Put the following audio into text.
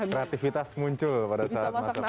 kreatifitas muncul pada saat masak